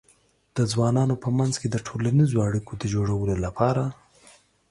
د ځوانانو په منځ کې د ټولنیزو اړیکو د جوړولو لپاره